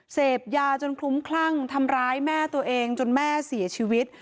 เสพยาจนคลุ้มคลั่งทำร้ายแม่ตัวเองจนแม่เสียชีวิต